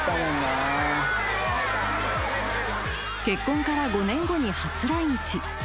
［結婚から５年後に初来日］